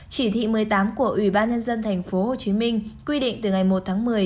chỉ thị một mươi tám của ubnd tp hcm quy định từ ngày một tháng một mươi